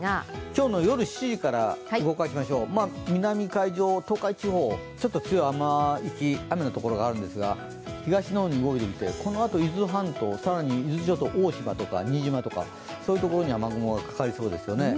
今日の夜７時から動かしましょう南海上、東海地方、ちょっと強い雨のところがあるんですが、東の方に動いて、伊豆半島、伊豆諸島更に大島とか新島とか、そういうところに雨雲がかかりそうですよね。